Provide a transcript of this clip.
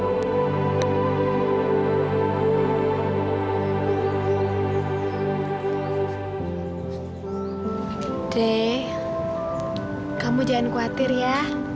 oke kamu jangan khawatir ya